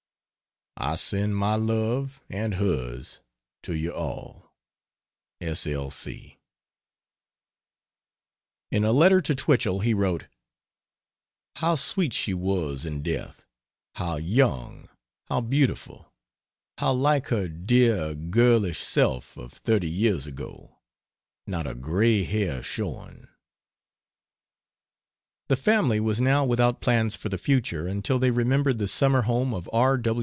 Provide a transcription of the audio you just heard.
I send my love and hers to you all. S. L. C. In a letter to Twichell he wrote: "How sweet she was in death; how young, how beautiful, how like her dear, girlish self cf thirty years ago; not a gray hair showing." The family was now without plans for the future until they remembered the summer home of R.